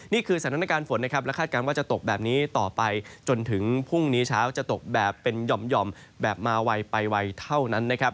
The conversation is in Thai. นี่คือสถานการณ์ฝนนะครับและคาดการณ์ว่าจะตกแบบนี้ต่อไปจนถึงพรุ่งนี้เช้าจะตกแบบเป็นหย่อมแบบมาไวไปไวเท่านั้นนะครับ